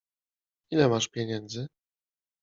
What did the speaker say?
Ile masz pieniędzy?